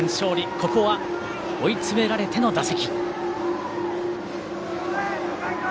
ここは追い詰められての打席。